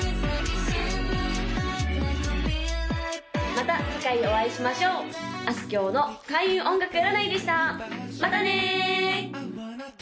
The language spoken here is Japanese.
・また次回お会いしましょうあすきょうの開運音楽占いでしたまたね！